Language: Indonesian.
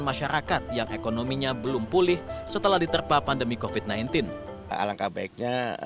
masyarakat yang ekonominya belum pulih setelah diterpa pandemi kofit sembilan belas alangkah baiknya